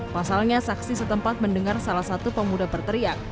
pasalnya saksi setempat mendengar salah satu pemuda berteriak